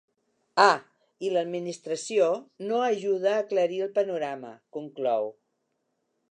“Ah, i l’administració no ajuda a aclarir el panorama”, conclou.